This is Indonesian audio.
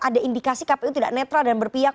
ada indikasi kpu tidak netral dan berpihak